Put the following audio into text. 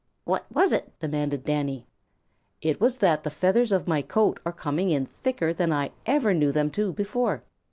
"What was it?" demanded Danny. "It was that the feathers of my coat are coming in thicker than I ever knew them to before.